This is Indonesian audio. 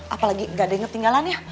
apalagi gak ada yang ketinggalan ya